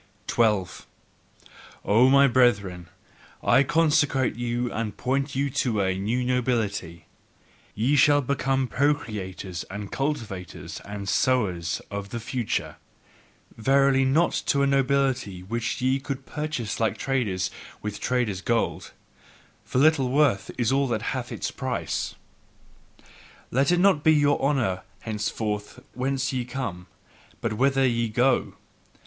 12. O my brethren, I consecrate you and point you to a new nobility: ye shall become procreators and cultivators and sowers of the future; Verily, not to a nobility which ye could purchase like traders with traders' gold; for little worth is all that hath its price. Let it not be your honour henceforth whence ye come, but whither ye go!